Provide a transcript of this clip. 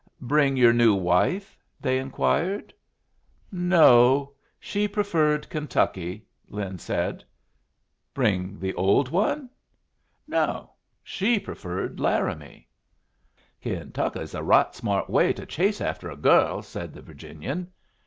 "Bring your new wife?" they inquired. "No; she preferred Kentucky," Lin said. "Bring the old one?" "No; she preferred Laramie." "Kentucky's a right smart way to chase after a girl," said the Virginian.